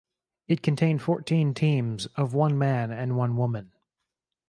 It contained fourteen teams of one man and one woman.